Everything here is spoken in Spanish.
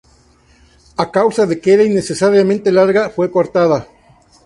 A causa de que era innecesariamente larga, fue cortada.